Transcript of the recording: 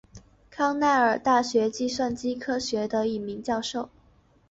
康奈尔大学计算机科学的一名教授。